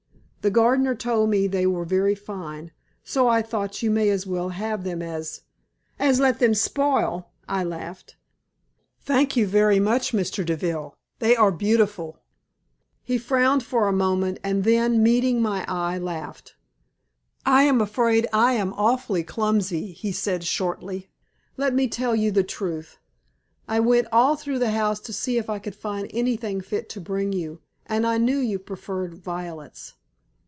The gardener told me they were very fine, so I thought you may as well have them as " "As let them spoil," I laughed. "Thank you very much, Mr. Deville. They are beautiful." He frowned for a moment, and then, meeting my eye, laughed. "I am afraid I am awfully clumsy," he said, shortly. "Let me tell you the truth. I went all through the houses to see if I could find anything fit to bring you, and I knew you preferred violets."